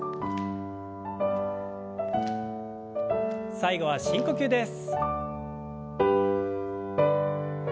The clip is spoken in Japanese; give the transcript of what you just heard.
最後は深呼吸です。